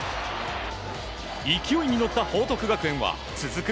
勢いに乗った報徳学園は続く